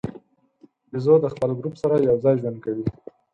بیزو د خپل ګروپ سره یو ځای ژوند کوي.